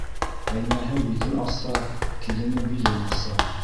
Ҡәйнәһе битен асһа, килене... билен аса.